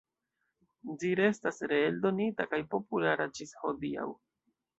Ĝi restas reeldonita kaj populara ĝis hodiaŭ.